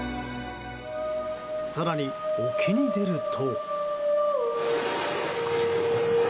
更に、沖に出ると。